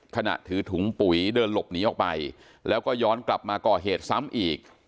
ถือถุงปุ๋ยเดินหลบหนีออกไปแล้วก็ย้อนกลับมาก่อเหตุซ้ำอีก